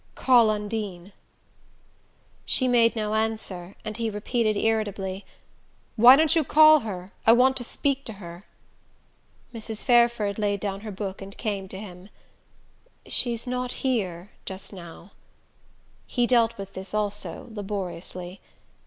"Call Undine." She made no answer, and he repeated irritably: "Why don't you call her? I want to speak to her." Mrs. Fairford laid down her book and came to him. "She's not here just now." He dealt with this also, laboriously.